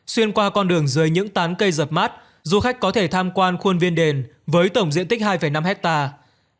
xuyên qua con đường dưới những tán cây dập mát du khách có thể tham quan khuôn viên đền với tổng diện tích hai năm hectare